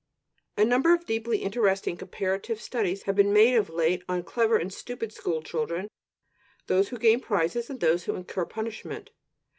A number of deeply interesting comparative studies have been made of late on clever and stupid school children, those who gain prizes and those who incur punishment.